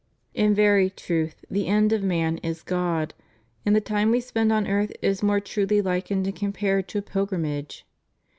In very truth, the end of man is God ; and the time we spend on earth is more truly likened and compared to a pilgrim age.